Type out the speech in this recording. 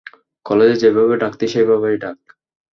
কলেজে যেভাবে ডাকতি সেভাবেই ডাক।